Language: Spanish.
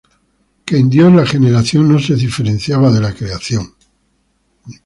Que en Dios la generación no se diferenciaba de la creación.